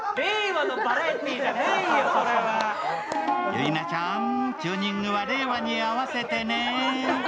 ゆいなちゃん、チューニングは令和に合わせてね。